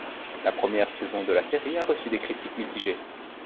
La première saison de la série a reçu des critiques mitigés.